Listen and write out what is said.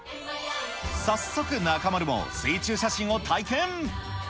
早速、中丸も水中写真を体験。